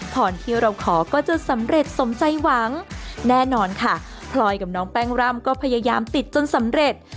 พรที่เราขอก็จะสำเร็จสมใจหวังแน่นอนค่ะพลอยกับน้องแป้งร่ำก็พยายามติดจนสำเร็จ